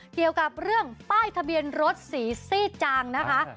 เกี่ยวกับเรื่องป้ายทะเบียนรถสีซี่จางนะคะ